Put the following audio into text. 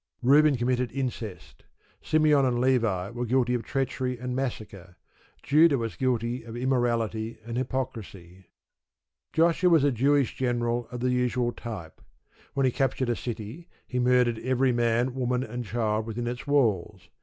Reuben committed incest. Simeon and Levi were guilty of treachery and massacre. Judah was guilty of immorality and hypocrisy. Joshua was a Jewish general of the usual type. When he captured a city he murdered every man, woman, and child within its walls.